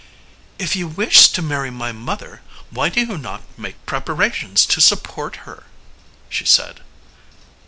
"If you wish to marry my mother, why do you not make preparations to support her?" she said.